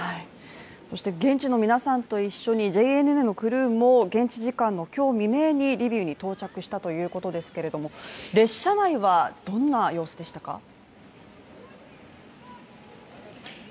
現地の皆さんと一緒にＪＮＮのクルーも、現地時間の今日未明にリビウに到着したということですけれども列車内はどんな様子でしたか？